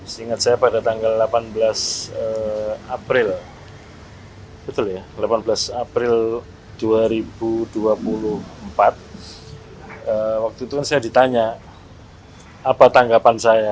seingat saya pada tanggal delapan belas april dua ribu dua puluh empat waktu itu saya ditanya apa tanggapan saya